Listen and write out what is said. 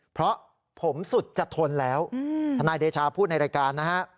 เพราะผมสุดจะทนแล้วทนายเดชาพูดในรายการนะฮะ